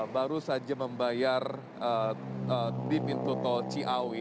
baru saja membayar di pintu tol ciawi